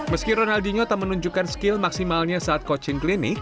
meski ronaldinho tak menunjukkan skill maksimalnya saat coaching klinik